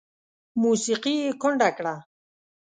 موسیقي یې کونډه کړه